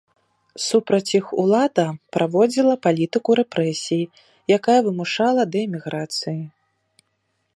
Супраць іх улада праводзіла палітыку рэпрэсій, якая вымушала да эміграцыі.